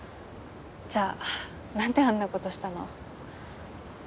じゃあ何であんなことしたの？